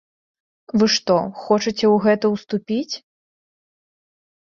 Вы што, хочаце ў гэта ўступіць?